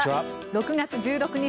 ６月１６日、